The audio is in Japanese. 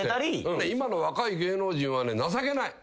今の若い芸能人は情けない。